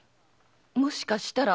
もしかしたら。